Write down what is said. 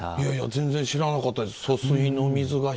全然知らなかったです。